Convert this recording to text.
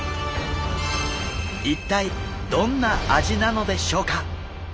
一体どんな味なのでしょうか？